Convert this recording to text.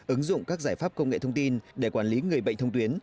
ứng dụng các giải pháp công nghệ thông tin để quản lý người bệnh thông tuyến